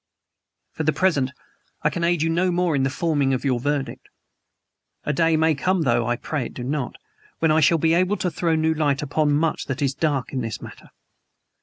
For the present, I can aid you no more in the forming of your verdict. A day may come though I pray it do not when I shall be able to throw new light upon much that is dark in this matter.